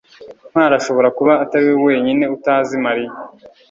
ntwali ashobora kuba atari we wenyine utazi mariya